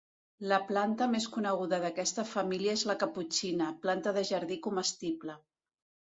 La planta més coneguda d'aquesta família és la caputxina, planta de jardí comestible.